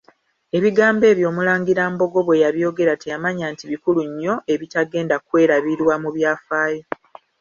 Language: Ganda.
Ebigambo ebyo Omulangira Mbogo bwe yabyogera teyamanya nti bikulu nnyo ebitagenda kwerabirwa mu byafaayo.